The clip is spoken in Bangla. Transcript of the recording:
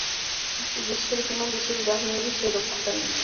কিন্তু বিশ্বের কোনো বিশেষ বাহিনীরই সেই দক্ষতা নেই।